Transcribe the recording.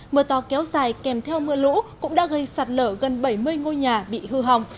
mưa to kéo dài kèm theo mưa lũ cũng đã gây sạt lở gần bảy mươi ngôi nhà bị hư hỏng